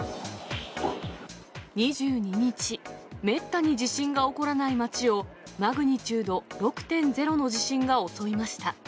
２２日、めったに地震が起こらない街を、マグニチュード６．０の地震が襲いました。